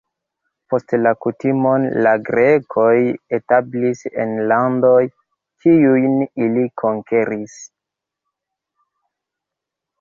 Poste la kutimon la grekoj establis en landoj, kiujn ili konkeris.